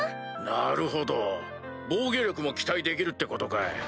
なるほど防御力も期待できるってことかい。